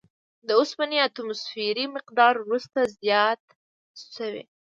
د اوسپنې اتوموسفیري مقدار وروسته زیات شوی.